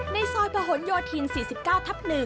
ในซอยประหลโยธิน๔๙ทับ๑